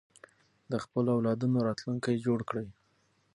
د خپلو اولادونو راتلونکی جوړ کړئ.